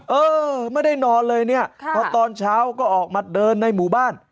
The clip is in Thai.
เออไม่ได้นอนเลยเนี่ยพอตอนเช้าก็ออกมาเดินในหมู่บ้าน